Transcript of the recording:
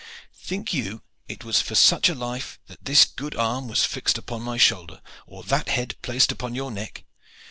Think you it was for such a life that this good arm was fixed upon my shoulder, or that head placed upon your neck?